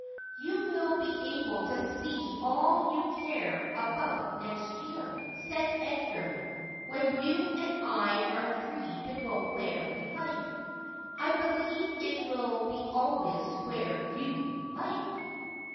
' You will be able to see all you care about next year,' said Edgar, ' when you and I are free to go where we like. I believe it will be always where yriu like.'